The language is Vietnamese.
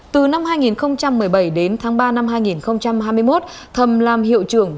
từ năm hai nghìn một mươi bảy đến tháng ba năm hai nghìn hai mươi một thầm làm hiệu trưởng